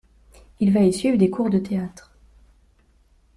Il va y suivre des cours de théâtre.